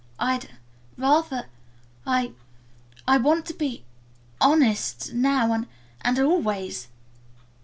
I'd rather. I I want to be honest now and and always."